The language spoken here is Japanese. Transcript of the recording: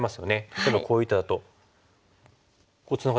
例えばこういう手だとこうツナがってきますよね。